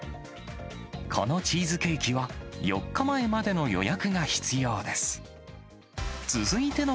このチーズケーキは、４日前までの予約が必要です。